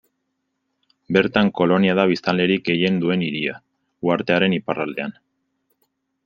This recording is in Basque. Bertan Kolonia da biztanlerik gehien duen hiria, uhartearen iparraldean.